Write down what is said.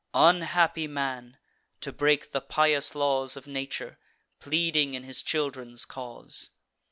Unhappy man, to break the pious laws Of nature, pleading in his children's cause!